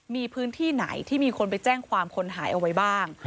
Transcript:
มีพื้นที่ไหนที่มีคนไปแจ้งความคนหายเอาไว้บ้าง